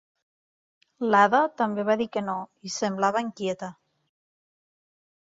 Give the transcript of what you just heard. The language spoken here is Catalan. L'Ada també va dir que no, i semblava inquieta.